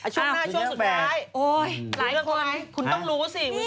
ช่วงหน้าช่วงสุดท้ายหลายคนคุณต้องรู้สิวุ้นเซ่นเจนี่